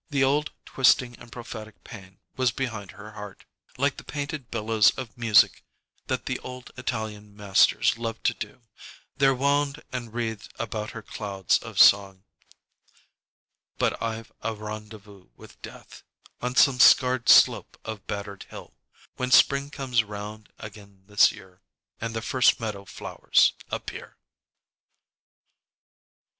The old twisting and prophetic pain was behind her heart. Like the painted billows of music that the old Italian masters loved to do, there wound and wreathed about her clouds of song: But I've a rendezvous with Death On some scarred slope of battered hill, When spring comes round again this year And the first meadow flowers appear.